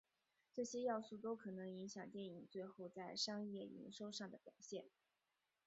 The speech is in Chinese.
这些要素都可能影响电影最后在商业营收上的表现。